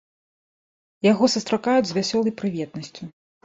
Яго сустракаюць з вясёлай прыветнасцю.